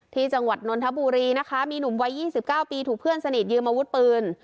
ที่จังหวัดนทบุรีนะคะมีหนุ่มวัยยี่สิบเก้าปีถูกเพื่อนสนิทยืมอาวุฒิปืน